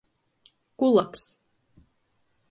Kulaks.